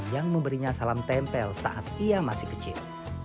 yang memberinya salam tempel saat ia masih kecil